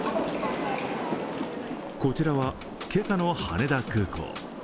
こちらは、今朝の羽田空港。